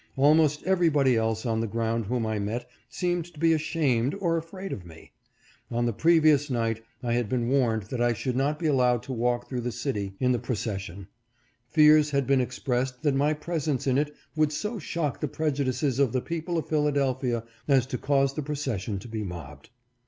Almost everybody else on the ground whom I met seemed to be ashamed or afraid of me. On the pre vious night I had been warned that I should not be allowed to walk through the city in the procession ; fears had been expressed that my presence in it would so shock the prejudices of the people of Philadelphia, as to cause the procession to be mobbed.